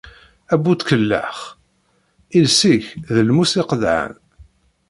A bu tkellax! Iles-ik d lmus iqeḍɛen.